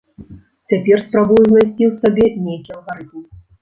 Цяпер спрабую знайсці ў сабе нейкі алгарытм.